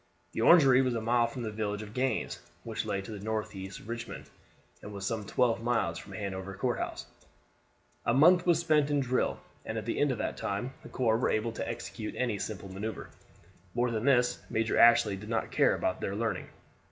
The Orangery was a mile from the village of Gaines, which lay to the northeast of Richmond, and was some twelve miles from Hanover Courthouse. A month was spent in drill, and at the end of that time the corps were able to execute any simple maneuver. More than this Major Ashley did not care about their learning.